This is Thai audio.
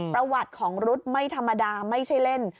ประวัติของรุ๊ดไม่ธรรมดาไม่ใช่เล่น